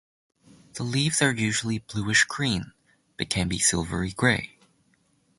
The leaves are usually bluish-green, but can be silvery grey.